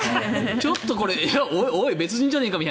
ちょっと、おい別人じゃねえかって。